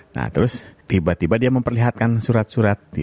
nah terus tiba tiba dia memperlihatkan surat surat